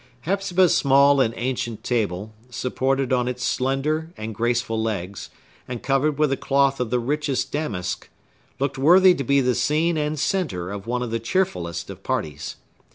Hepzibah's small and ancient table, supported on its slender and graceful legs, and covered with a cloth of the richest damask, looked worthy to be the scene and centre of one of the cheerfullest of parties.